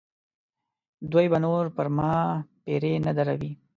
دوی به نور پر ما پیرې نه دروي.